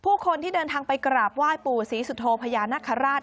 ผู้คนที่เดินทางไปกราบไหว้ปู่ศรีสุโธพญานคราช